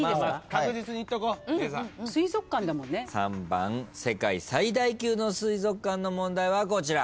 ３番世界最大級の水族館の問題はこちら。